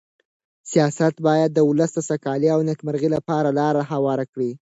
سیاست باید د ولس د سوکالۍ او نېکمرغۍ لپاره لاره هواره کړي.